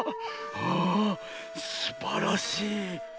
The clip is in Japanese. あぁすばらしい。